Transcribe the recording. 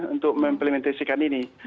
untuk memperlementasikan ini